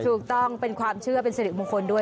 ถูกต้องเป็นความเชื่อเป็นสิริมงคลด้วย